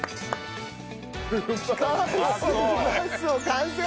完成！